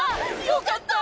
よかった！